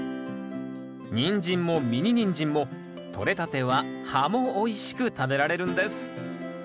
ニンジンもミニニンジンもとれたては葉もおいしく食べられるんです。